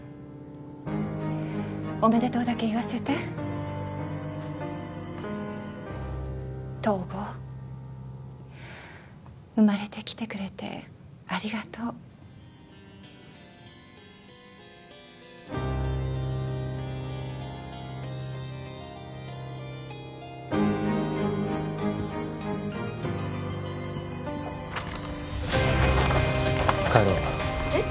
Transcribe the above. おめでとうだけ言わせて東郷生まれてきてくれてありがとう帰ろうえっ！？